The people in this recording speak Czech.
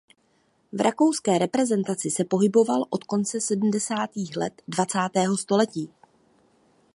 V rakouské reprezentaci se pohyboval od konce sedmdesátých let dvacátého století.